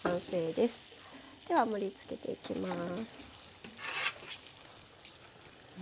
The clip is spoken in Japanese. では盛りつけていきます。ね